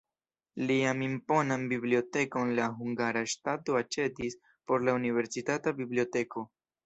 Lian imponan bibliotekon la hungara ŝtato aĉetis por la universitata biblioteko.